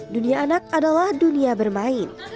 dunia anak adalah dunia bermain